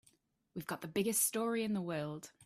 We've got the biggest story in the world.